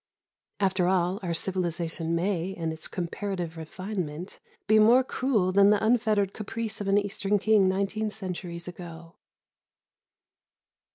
After all, our civilisation may, in its comparative refinement, be more cruel than the unfettered caprice of an Eastern king nineteen centuries ago.